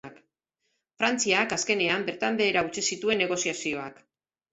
Frantziak, azkenean, bertan behera utzi zituen negoziazioak.